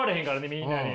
みんなに。